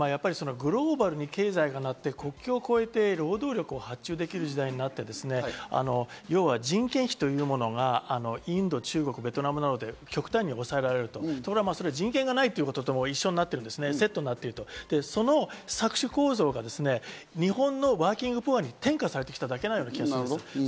グローバルに経済がなって、国境を越えて、労働力を発注できる時代になって要は人件費というものが、インド、中国、ベトナムなどで極端に抑えられると、人権がないということと一緒になって、セットになっていると、その搾取構造が日本のワーキングプアに転嫁されてきただけのような気がする。